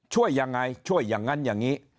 ช่วยยังไงช่วยอย่างนั้นอย่างนี้